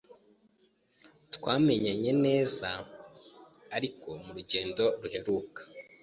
Twamenyanye neza ariko murugendo ruheruka.